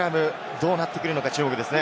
どうなってくるのか注目ですね。